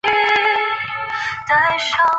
邓艾承制拜刘禅为骠骑将军。